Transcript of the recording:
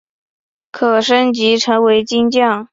可升级成为金将。